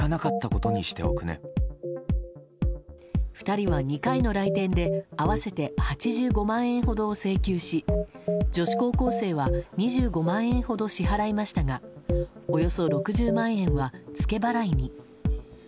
２人は、２回の来店で合わせて８５万円ほどを請求し女子高校生は２５万円ほど支払いましたがおよそ６０万円はツケ払いに。